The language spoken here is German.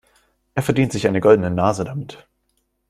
Er verdient sich eine goldene Nase damit.